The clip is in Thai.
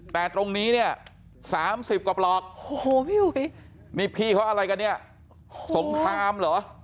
แต่ตรงนี้เนี่ย๓๐กว่าปลอกโอ้โหพี่อุ๋ยนี่พี่เขาอะไรกันเนี่ยสงครามเหรอ